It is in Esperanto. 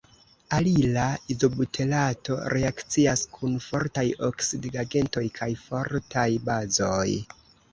Alila izobuterato reakcias kun fortaj oksidigagentoj kaj fortaj bazoj.